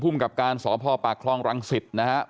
พุ่มกับการสพปากคลองรังศิษฐ์นะครับ